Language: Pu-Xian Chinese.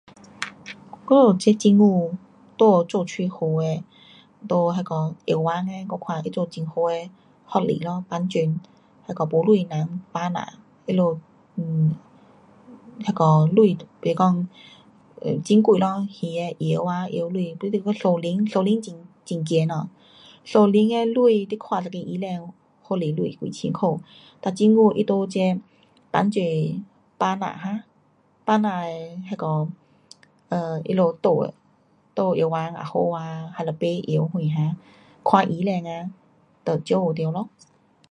我们这政府也有做蛮好的，在那个药房的我看做很好的福利咯，帮助那个没钱人，百姓，他们[um]那个钱不讲很贵，还的药啊，药钱，可能私人，私人的很咸哦，私人的钱你看一个医生好多钱，几千块，哒政府它在这帮助百姓[um]，百姓的那个[um]他们住的，住药房也好啊，还是买药什[um]看医生啊就照顾到咯。